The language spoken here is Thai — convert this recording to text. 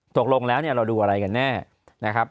ถกโรงแล้วเราดูกับอะไรกันเนี้ย